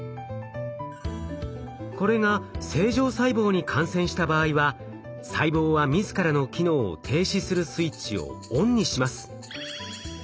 これが正常細胞に感染した場合は細胞は自らの機能を停止するスイッチをＯＮにします。